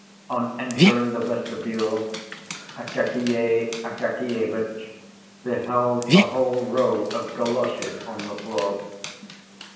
On entering the vestibule, Akakiy Akakievitch beheld a whole row of goloshes on the floor.